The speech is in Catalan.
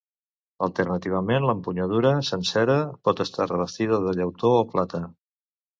Alternativament, l'empunyadura sencera pot estar revestida de llautó o plata.